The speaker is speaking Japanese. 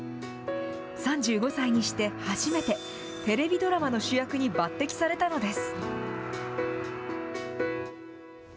３５歳にして初めて、テレビドラマの主役に抜てきされたのです。